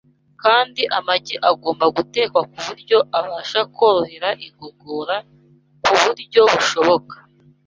kandi amagi agomba gutekwa ku buryo abasha korohera igogora ku buryo bushoboka.